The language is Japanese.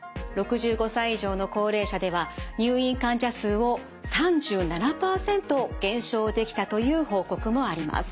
６５歳以上の高齢者では入院患者数を３７％減少できたという報告もあります。